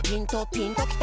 「ピンときた？」